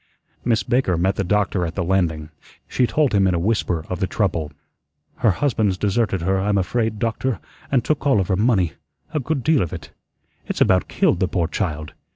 Miss Baker met the doctor at the landing, she told him in a whisper of the trouble. "Her husband's deserted her, I'm afraid, doctor, and took all of her money a good deal of it. It's about killed the poor child.